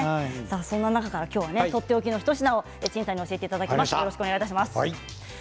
そんな中からとっておきの一品を陳さんに教えていただきます。